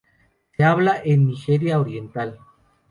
Se hablan en Nigeria oriental.